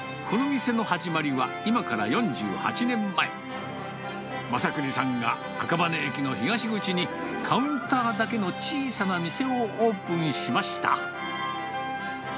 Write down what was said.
この店の始まりは、今から４８年前、和邦さんが赤羽駅の東口にカウンターだけの小さな店をオープンしました。